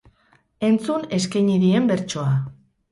Entzun eskaini dien bertsoa.